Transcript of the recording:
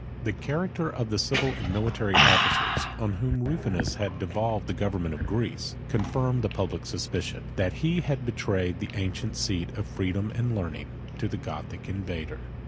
] The character of the civil and military officers, on whom Rufinus had devolved the government of Greece, confirmed the public suspicion, that he had betrayed the ancient seat of freedom and learning to the Gothic invader.